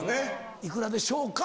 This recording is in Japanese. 幾らでしょうか？